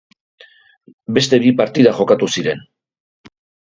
Beste bi partida jokatu ziren.